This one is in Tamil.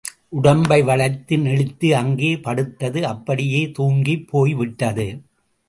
உடம்பை வளைத்து, நெளித்து அங்கே படுத்தது அப்படியே தூங்கிப் போய்விட்டது.